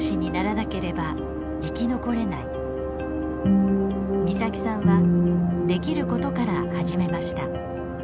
岬さんはできることから始めました。